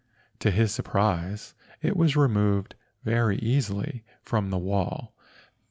To his surprise it was removed very easily from the wall.